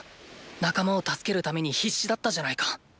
仲間を助けるために必死だったじゃないか。